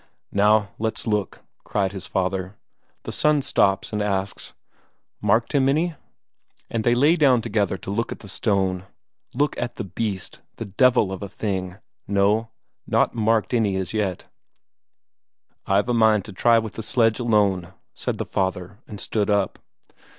"Now! Let's look!" cried his father. The son stops, and asks: "Marked him any?" And they lay down together to look at the stone; look at the beast, the devil of a thing; no, not marked any as yet. "I've a mind to try with the sledge alone," said the father, and stood up.